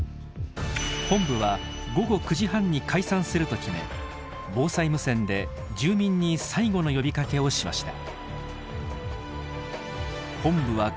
本部は午後９時半に解散すると決め防災無線で住民に最後の呼びかけをしました。